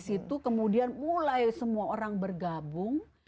di situ kemudian mulai semua orang bergabung